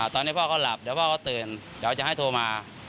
ตอนนี้พ่อก็หลับเดี๋ยวพ่อก็ตื่นเดี๋ยวจะให้โทรมา